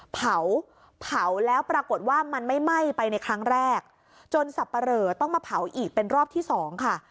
เผาเผาแล้วปรากฏว่ามันไม่ไหม้ไปในครั้งแรกจนสับปะเหลอต้องมาเผาอีกเป็นรอบที่สองค่ะ